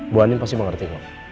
bu anin pasti mengerti